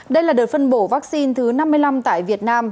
đây là đợt phân bổ vaccine thứ năm mươi năm tại việt nam